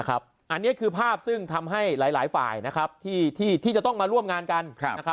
อันนี้คือภาพซึ่งทำให้หลายฝ่ายที่จะต้องมาร่วมงานกัน